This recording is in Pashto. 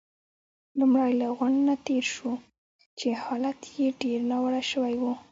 لومړی له غونډ نه تېر شوو، چې حالت يې ډېر ناوړه شوی وو.